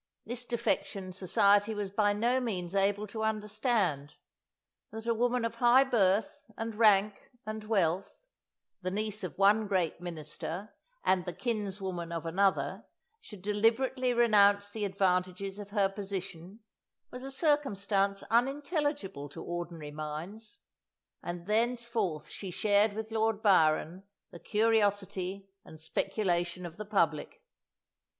This defection society was by no means able to understand. That a woman of high birth, and rank, and wealth, the niece of one great minister and the kinswoman of another, should deliberately renounce the advantages of her position, was a circumstance unintelligible to ordinary minds, and thenceforth she shared with Lord Byron the curiosity and speculation of the public.